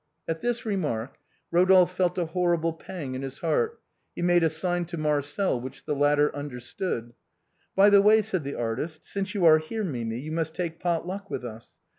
At this remark Eodolphe felt a horrible pang in his heart, he made a sign to Marcel, which the latter under stood. " By the way," said the artist, " since you are here, Mimi, you must take pot luck with us.